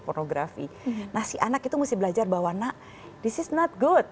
pornografi nah si anak itu mesti belajar bahwa nak this is not good